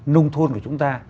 nông thôn của chúng ta